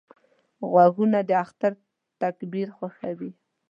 غوږونه د اختر تکبیر خوښوي